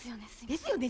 「ですよね」